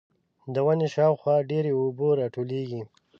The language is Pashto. د ونې شاوخوا ډېرې اوبه راټولېږي.